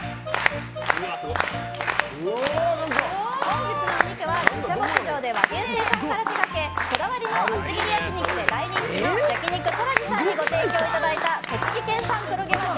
本日のお肉は自社牧場で和牛の生産から手がけこだわりの厚切り焼き肉で大人気の焼肉トラジさんにご提供いただいた栃木県産黒毛和牛